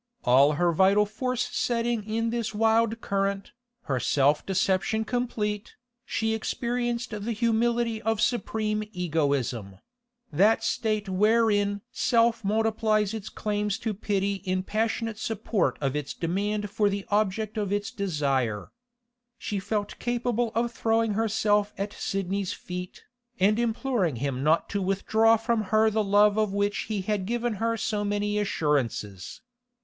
All her vital force setting in this wild current, her self deception complete, she experienced the humility of supreme egoism—that state wherein self multiplies its claims to pity in passionate support of its demand for the object of desire. She felt capable of throwing herself at Sidney's feet, and imploring him not to withdraw from her the love of which he had given her so many assurances.